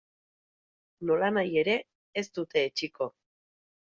Nolanahi ere, ez dute etsiko.